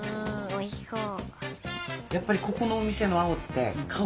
おいしそう。